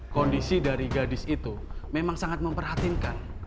kondisi dari gadis itu memang sangat memperhatinkan